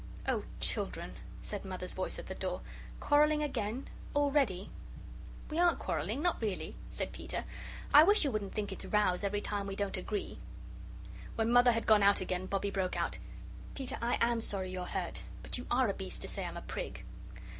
"Oh, children," said Mother's voice at the door. "Quarrelling again? Already?" "We aren't quarrelling not really," said Peter. "I wish you wouldn't think it's rows every time we don't agree!" When Mother had gone out again, Bobbie broke out: "Peter, I AM sorry you're hurt. But you ARE a beast to say I'm a prig."